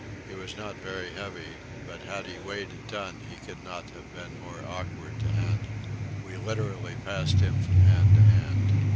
He was not very heavy, but had he weighed a ton he could not have been more awkward to handle. We literally passed him from hand to hand.